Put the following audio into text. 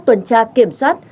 tuần tra kiểm soát